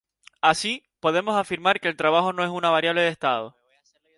Así, podemos afirmar que el trabajo no es una variable de estado.